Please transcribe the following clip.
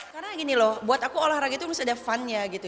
karena gini loh buat aku olahraga itu harus ada fun nya gitu